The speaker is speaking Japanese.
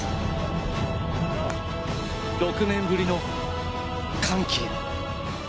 ６年ぶりの歓喜へ。